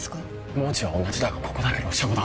文字は同じだがここだけロシア語だ